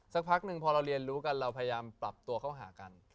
สักพักหนึ่งพอเราเรียนรู้กันเราพยายามปรับตัวเข้าหากัน